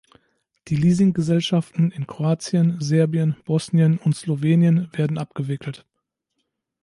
Die Leasinggesellschaften in Kroatien, Serbien, Bosnien und Slowenien werden abgewickelt.